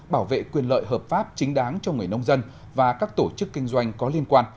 bảo vệ quyền lợi hợp pháp chính đáng cho người nông dân và các tổ chức kinh doanh có liên quan